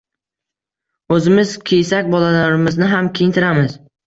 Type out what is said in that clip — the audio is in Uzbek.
O‘zimiz kiysak, bolalarimizni ham kiyintiramiz.